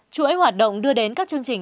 chuỗi hoạt động đưa đến các chương trình